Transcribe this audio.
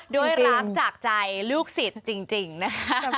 ด้วยรักจากใจลูกศิษย์จริงนะครับ